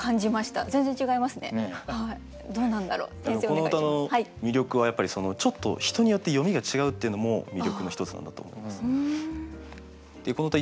この歌の魅力はやっぱりちょっと人によって読みが違うっていうのも魅力の一つなんだと思います。